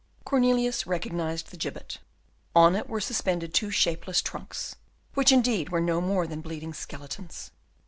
Cornelius recognised the gibbet. On it were suspended two shapeless trunks, which indeed were no more than bleeding skeletons.